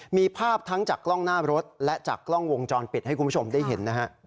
มีภาพทั้งจากกล้องหน้ารถและจากกล้องวงจรปิดให้คุณผู้ชมได้เห็นนะฮะ